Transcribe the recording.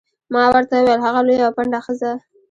ما ورته وویل: هغه لویه او پنډه ښځه.